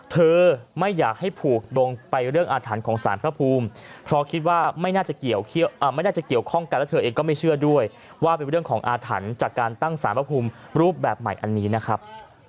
ตกลงไปเรื่องอาถรรพ์ของสารพระภูมิเพราะคิดว่าไม่น่าจะเกี่ยวข้องกันและเธอเองก็ไม่เชื่อด้วยว่าเป็นเรื่องของอาถรรพ์จากการตั้งสารพระภูมิรูปแบบใหม่อันนี้นะครับ